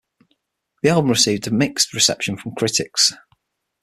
The album received a mixed reception from critics.